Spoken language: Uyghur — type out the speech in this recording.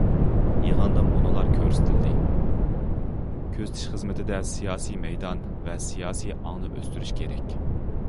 يىغىندا مۇنۇلار كۆرسىتىلدى: كۆزىتىش خىزمىتىدە سىياسىي مەيدان ۋە سىياسىي ئاڭنى ئۆستۈرۈش كېرەك.